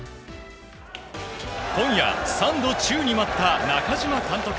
今夜、３度宙に舞った中嶋監督。